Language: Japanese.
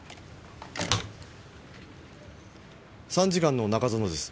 参事官の中園です。